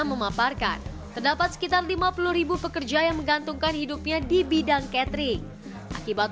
hai terdapat sekitar lima puluh pekerja yang menggantungkan hidupnya di bidang catering akibat